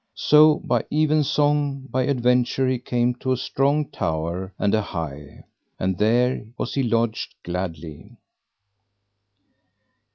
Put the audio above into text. So by evensong, by adventure he came to a strong tower and an high, and there was he lodged gladly.